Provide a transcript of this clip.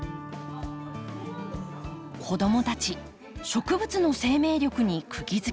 子どもたち植物の生命力にくぎづけです。